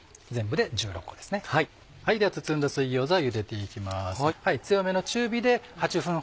では包んだ水餃子をゆでて行きます。